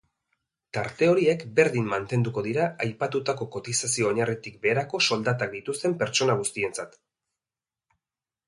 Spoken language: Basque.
Tarte horiek berdin mantenduko dira aipatutako kotizazio-oinarritik beherako soldatak dituzten pertsona guztientzat.